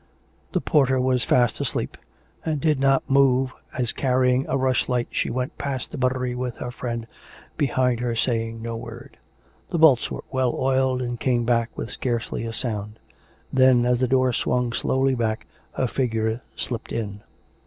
The porter was fast asleep, and did not move, as carry ing a rushlight she went past the buttery with her friend behind her saying no word. The bolts were well oiled, and came back with scarcely a sound. Then as the door swung slowly back a figure slipped in.